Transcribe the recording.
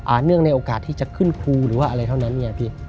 เนื่องในโอกาสที่จะขึ้นครูหรือว่าอะไรเท่านั้นไงพี่